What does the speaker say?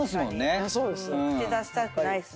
口出したくないですもんね。